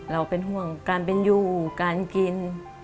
เราเป็นห่วงการเป็นอยู่การกิน